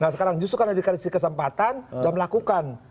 nah sekarang sudah dikasih kesempatan dan melakukan